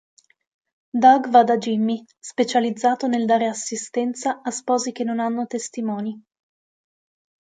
Doug va da Jimmy, specializzato nel dare assistenza a sposi che non hanno testimoni.